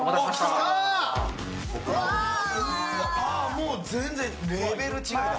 もう全然、レベル違いだ。